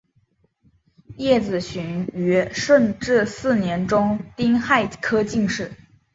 叶子循于顺治四年中式丁亥科进士。